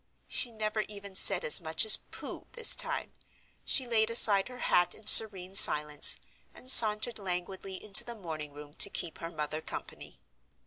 She never even said as much as "Pooh!" this time. She laid aside her hat in serene silence, and sauntered languidly into the morning room to keep her mother company.